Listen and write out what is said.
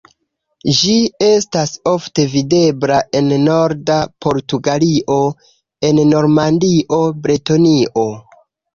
Ĝi estas ofte videbla en norda Portugalio, en Normandio, Bretonio.